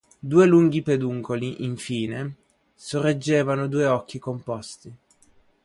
Due lunghi peduncoli, infine, sorreggevano due occhi composti.